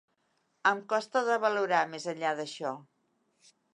Em costa de valorar més enllà d’això.